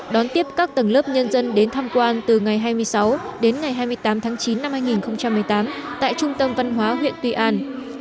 đón tiếp các tầng lớp nhân dân đến tham quan từ ngày hai mươi sáu đến ngày hai mươi tám tháng chín năm hai nghìn một mươi tám tại trung tâm văn hóa huyện tuy an